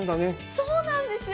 そうなんですよ。